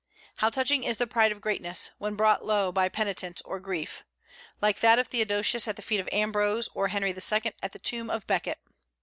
How touching is the pride of greatness, when brought low by penitence or grief, like that of Theodosius at the feet of Ambrose, or Henry II. at the tomb of Becket!